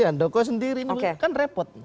andoko sendiri ini kan repot